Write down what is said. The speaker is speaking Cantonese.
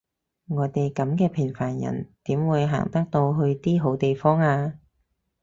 我哋噉嘅平凡人點會行得到去啲好地方呀？